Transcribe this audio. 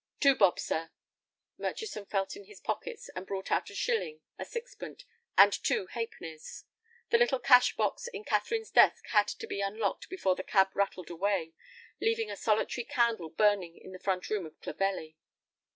"Two bob, sir." Murchison felt in his pockets, and brought out a shilling, a sixpence, and two half pennies. The little cash box in Catherine's desk had to be unlocked before the cab rattled away, leaving a solitary candle burning in the front room of Clovelly.